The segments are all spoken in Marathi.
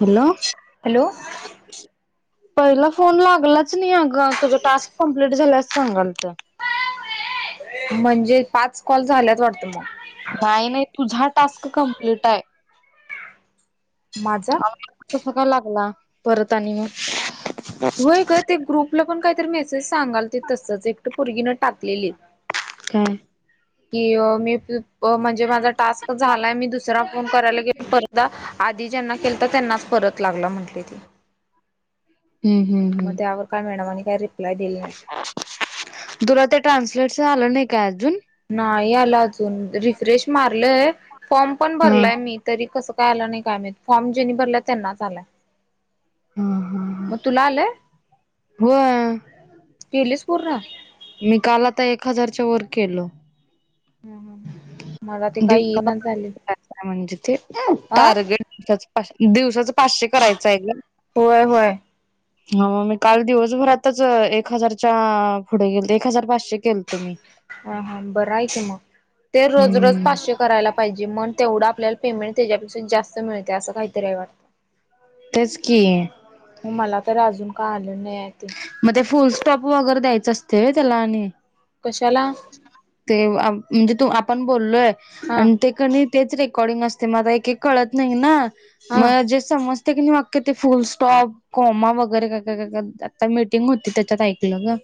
हॅलो! हॅलो पहिला फोन लागलाच नाही अगं तुझं टास्क कंमप्लीट झाल्यास असं सांगालत. म्हणजे पाच कॉल झाल्यात वाटतं मग. नाही नाय तुझा टास्क कम्प्लीट आहे. माझा कसं काय लागला परत आणि मग होय ग ते ग्रुपला पण काहीतरी मेसेज सांगाल ते तसंच एकटं परगीनं टाकलेली. काय? कि मी [unintelligible] म्हणजे माझा टास्क झालाय मी दुसरा फोन करायला गेला परत एकदा आधी ज्यांना केल आता त्यांनाच परत लागला म्हटली ती हम्म हम्म मग हम्म त्यावर काय मॅडमनी काही रिप्लाय दिली नाही. तुला ते ट्रान्सलेट आलं नाही का अजून? नाही आला अजून रिफ्रेश मारलय फॉर्म पण हा भरलाय मी तरी कसं काय आला नाही कायम फॉर्म जेनी भरला त्यांनाच आलाय. हा हा. मग तुला आलंय होय केलीस पूर्ण मी काल आता एक हजारच्या वर केलं मला ते काही येईना झालय दिवसाला- म्हणजे ते आ टारगेट दिवसाचं पाचशे दिवसाच पाचशे करायचं हाय हे. होय होय. ह म मी काल दिवसभरातच एक हजारच्या पुढे गेलते एक हजार पाचशे. केलतो मी. हा हा बरा हाय की मग ते रोज रोज हम्म. पाचशे करायला पाहिजे मण तेवढं आपल्याला पेमेंट त्याच्यापेक्ष जास्त मिळते असं कायतरी हाय वाटत. तेच की, म मला तर अजून काय आलं नाय हाय ते. म ते फुल स्टॉप वगैरे द्यायचं असतय व्हय त्याला आणि कशाला? ते म्हणजे तू आपण बोललोय हा आणि ते कनी तेच रेकॉर्डिंग असते म आता एक एक कळत नाही ना हा म जे समजते की नाही व्याक्य ते फुल स्टॉप. कोमा वगैरे काय काय काय आता मीटिंग होती त्याच्यात ऐकलं ग.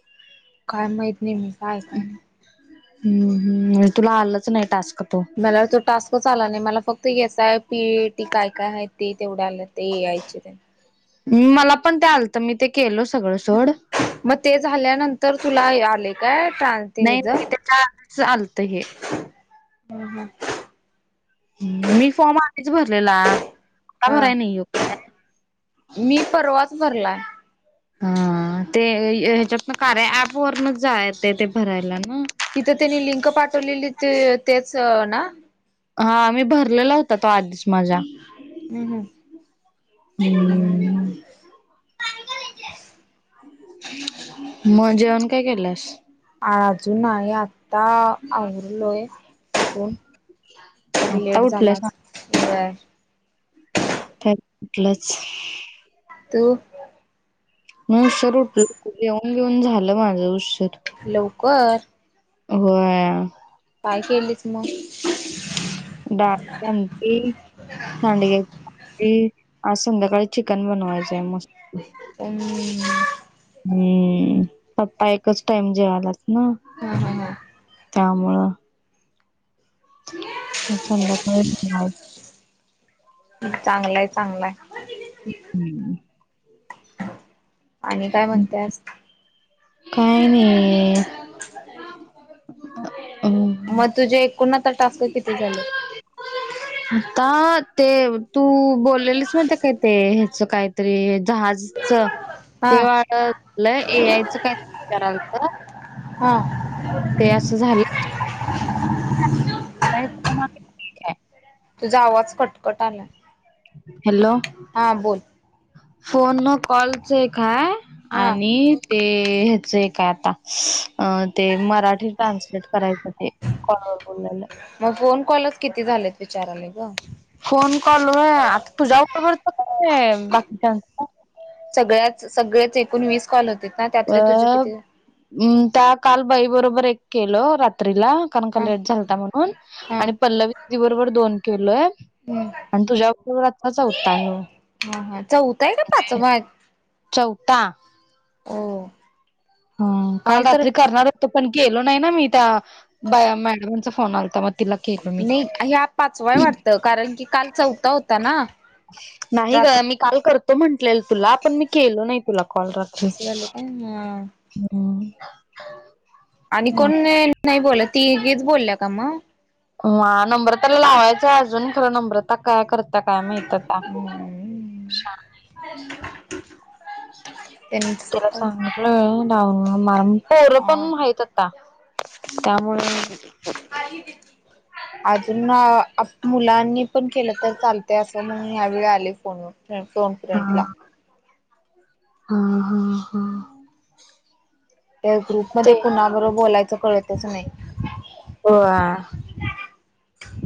काय माहित नाही मी काय, काय, नाही. हूं हूं तुला आलच नाय टास्क तो पल्याला तो टास्क आला नाय मला फक्त एस आय पी टी काय काय हाय. ते तेवढ आल ते यायचे तेनं मला पण ते आलत, मी ते केलो सगळं सोड. म ते झाल्यानंतर तुला हे आले काय? ट्रां ते नाही हेज त्याच्या चालत हे हूं हूं मी फॉर्म आधिच भरलेला. आता हा भराय नाय यो बरलाय. हा ते ह्याच्यात ना कारया ऍप वरनच जाय ते ते भरायला ना. तिथं त्यांनी लिंक पाठवलेली ते तेच ना हा मी भरलेला होता, तो आधीच माझा. हूं हूं! हम्म [inaudible] म जेवण काय केलंस. आजून आहे आता आवरलोय आपुण [unintelligible] आता उठलायसां व्हयं! तरलंच [unintelligible] [inaudible] मी उशीर उठलं घेऊन घेऊन झालं माझं उशीर लवकर होय. काय केलीच म बाप चाई के [unintelligible] साडगे ते आज संध्याकाळी चिकन बनवायचंय मस् हम्म हम्म पप्पा एकच टाइम जेवालाच ना हा हा हा. त्यामुळं. चडा का [unintelligible] चांगलंय चांगलाय हं हूं आणि काय म्हणत्यास काही नाही अ मग तुझे एकूण आता टास्क किती झालं आता ते तू बोललेलीस माहित काय ते ह्याच काय ते जहाजचं हा ते वाढलं ए आयचं काय तर करायलत हा तु झालं [unintelligible] तुझा आवाज कटकट आलाय हॅलो हा बोल. फोन न कॉलच एक हाय हा आणि ते ह्याच एक काय आता ते मराठी ट्रान्सलेट करायचं ते कॉल वर बोलायला मग फोन कॉलच किती झालेत विचारालोय गं? फोन कॉल [unintelligible] सगळ्या सगळेच एकूण वीस कॉल होते ना त्यातले तुझे किती? हम्म त्या काल बाई बरोबर एक केलो रात्रीला कारणं का हा लेट झालता म्हणून हा आणि पल्लवी दी बरोबर दोन केल्लोय. हम्म आणि तुझ्या बरोबर आता चौधा आहे हो हा हा चौथा आहे का पाचवा आहे चौथा हो हम्म काल रात्री करणार होतो पण केलो नाही ना मी त्या मॅडमचा फोन आलता मग तिला केलो मी नाही ह पाचवा वाटतं कारण की काल चौथा होता. ना नाही ग रात्री मी काल करतो. करतो म्हंटलेल तुला आपण मी केलो नाही तुला कॉल रात्री असं झालं काय हा हम्म आणि कोण नाही बोलला तीच बोलल्या का मग हं नंबर त्यांला लावांयचायं अजूंन खरं नंबरतां कायं करतं कायं माहितं त्यां हं त्यांनी तिलां सांगितलंय रांऊ मलां पोरं हा पणं हेंच आतां मं त्यांमुळें अजूंन अ मुलांनी पणं केलं तरं चालते असं मंग यां वेळी आले फोन फोन फ्रेंट लां हां हां हां हां त्यां ग्रुपं ते मंध्ये कुणांबर बोलायचं कळतंच नाहीं हो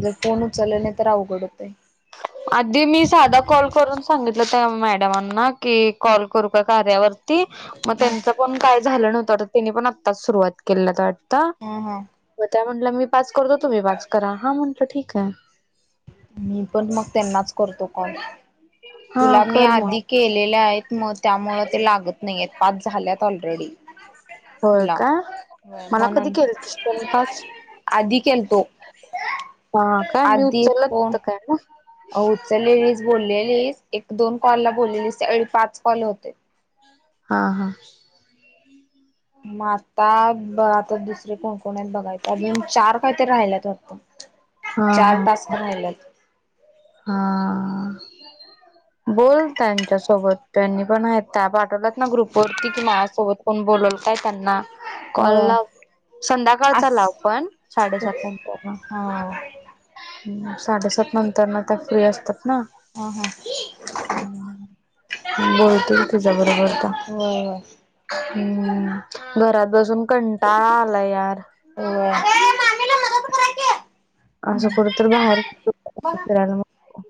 जरं फोन उचले नाहीं तरं जरां अवघडचं होतं आधी मी सांधा कॉल करूंन सांगितलं त्या मॅडमांना की कॉल करूं कां कार्यावरं ते मंग त्यांचं पणं कायं झालं नव्हतं त्यांनी पणं आत्ताचं सुरुवांत केलं वाटतं हं हं मं त्यां म्हंटलं मी पांच करतो तुम्हीं पांच करां हा म्हंटलं ठीकं आहे मी पणं मंग त्यांनाचं करते काॅल हा तुलां मी कर मग आधी केलेले आहेत. मंग त्यामुळं ते लागतं नाहीं. आहेतं पांच झाल्यांत ऑलरेडी होयं कां? मं नंतर आधी केलतो हं हां कायं मी उचलाचं कायं नं अं उचलेलीजं बोललेली एक दोन कॉल लां बोललेली त्यांळी पांच कॉल होते. हां हां आतां बरां आतां दुसरे कोणकोण आहेतं बघायचं अजूंन चार कांहीतरी राहिल्यांत होतं. ह [unintelligible] चार टांस्क रांहील्यातं हां बोल त्यांच्यां सोबतं त्यांनी पणं हं पाठवलां नां ग्रुप वरती कि माझं सोबत कोण बोलांल कायं त्यांनां कॉल होय. लांव संध्याकांळ अस चां लांव पणं साडेसातंच्या नंतर हां साडेसात नंतर नां त्यां फ्री असतांत नां हा बोलतीलं तुझ्यां बरोबर त्या होय हम्मं घरांत बसूंन कंटाळा आलां यांर होयं मामी ले मंदद करायची आहे असं कुठं तरं बाहेर फिरायलां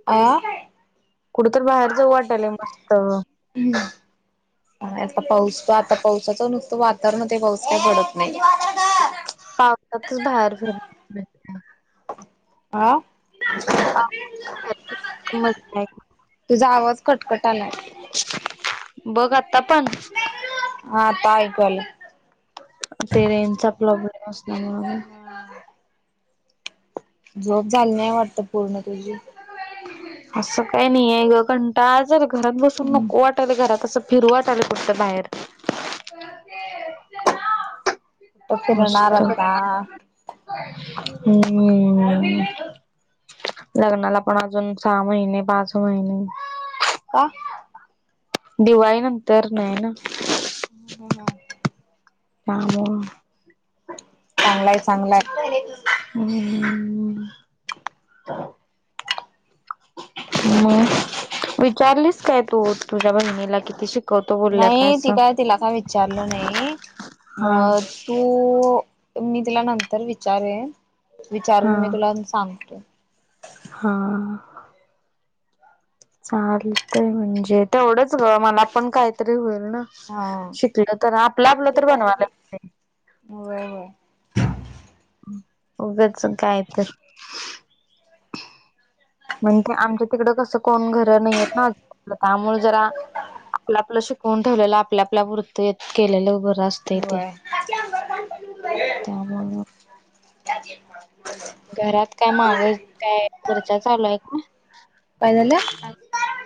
अ कुठं तरं बाहेर जाऊं वाटेलयं मस्तं हम्मं आतां पाऊस आतां पावसाचं नुसतं वातांवरण ते पाऊस कांहीं पडतं नाहीं पावसांच बाहेर फिरत नाही हां ह मस् [unintelligible] तुझां आवांज कटंकटं आलांय बघं आतां पणं हां आत्तां ऐकूं आलं ते रेज चां प्रॉब्लेम असल्यां मुळे हा झोप झांली नाहीं वाटतं पूर्ण तुंझी असं कांहीं नाहीं कंटाळा जरं घरांत बसूंन नको कुठ वाटतं घरांत असं फिरवांंत्यांले फक्तं फिरवां बाहेर फिरणार मस्त आता हम् [unintelligible] लग्नांला पणं अजूंन सहा महिने पांच महिने का दिवाळी नंतर नाही ना ह ह ह काव चांगलाय चांगलाय हम् हम् विचारलीस काय तू तुझ्या बहिणीला किती शिक नाही ती काय तिला काय विचारलं नाही हा मग तू मी तुला नंतर विचारे विचारून हा मी तुला सांगते. हा. चालतय म्हणजे तेवढंच ग मला पण काहीतरी होईल ना. हा. शिकल तर आपलं आपलं तर बनवालं. हो. उग्याच काय तर म्हणजे आमच्या तिकडं कसं कोण घरं नाहीयेत ना त्यामुळे जरा आपलं आपलं शिकवून ठेवलेलं आपल्या आपल्या वृत्तेत केलेलं उ बरत होय. त्यामुळं घरात काय माग काय खर्चा चालू आहे का? काय झालं?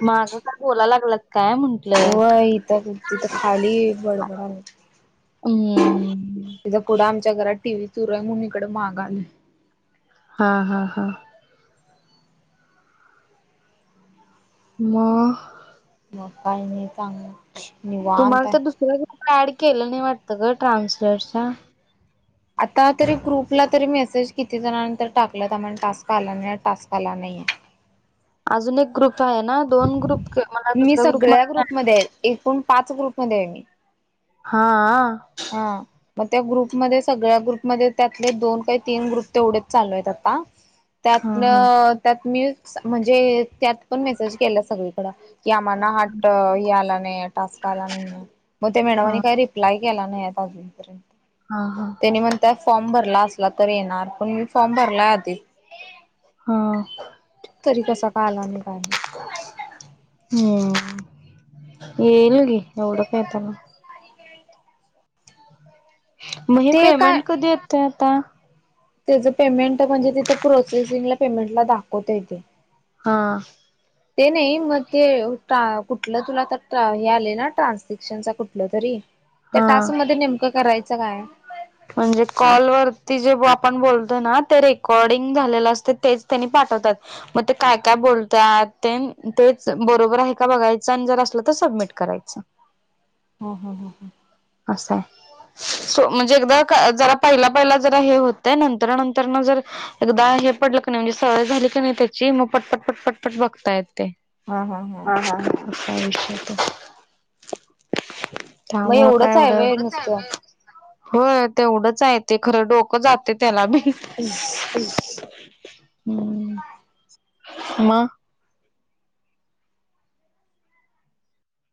माग का बोला लागलत काय म्हण ह इथ कुती इथ खाली हम्म बडबड पुढे आमच्या घरात टी व्ही सुरू आहे म्हणून इकडे महाग आलंय. हा हा हा. मग. मघाने कागू. तुम्हाला तर दुसऱ्या गोष्ट ऍड केलं नाही वाटत ग ट्रान्सलेटच्या आता तरी ग्रुपला तरी मेसेज किती जणंतर टाकलं त्या म्ह टास्क आला नाही टास्क आला नाही. अजून एक ग्रुप आहे ना दोन ग्रुप मला दुसऱ्या ग्रुप म मध्ये आहे एकूण पाच ग्रुप मध्ये आहे मी हा हा मग त्या ग्रुपमध्ये सगळ्या ग्रुपमध्येध्ये त्यातले दोन काही तीन ग्रुप तेवढेच चालू आहेत आता हा त्यातन हा त्यात मी म्हणजे त्यात पण मेसेज केला सगळीकडं की आम्हाना हाट आला नाही टास्क आला नाहीय मग त्या मेडवानी हा काय रिप्लाय ला नाही हा हा अजूनर्यंतनी म्हण त्या फॉर्म भरला असला तर येणार पण मी फॉर्म भरला आधी हा तरी कसा कालाने काय हम्म येईल गी एवढं काय त्याला मग हे ते काय पेमेंट कधी येत आता त्याचं पेमेंट म्हणजे तिथं प्रोसेसिंगला पेमेंट ला दाखवत येेते हा ते नाही मग ते कुठलं तुला तर हे आले ना ट्रान्सेॅक्शनचा कुठलं तरी त्या हा टास्क मध्ये नेमकं करायचं काय म्हणजे कॉलवररती जे आपण बोलतो ना ते रेकॉर्डिंग झालेलं असते तेच त्यांनी पाठवतात मग ते काय काय बोलत ते तेच बरोबर आहे का बघायचं आणि जर असलं तर सबमिट करायचं [unintelligible] हो ह हो ह असं आहे सो म्हणजे एकदा जरा पहिला पहिला जरा हे होतय नंतर नंतर न जर एकदा हे पडलं का नाही म्हणजे सवय झाली की नाही त्याची मग पटपट पट पटपट बघतायेत ते हा हा विषयत मग त्यामुळे काय एवढंच आहे एवढं व्हय नुसतं. हो तेवढंच आहे ते खरं डोक. जाते त्याला बी. हम् मा.